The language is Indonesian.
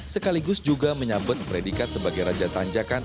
sekaligus juga menyambut predikat sebagai raja tanjakan